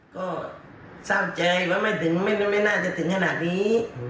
ก็ทราบใจว่าไม่น่าจะถึงขนาดนี้